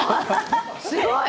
すごい。